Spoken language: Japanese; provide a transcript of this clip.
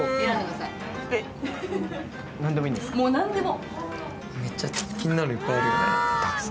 もう何でも。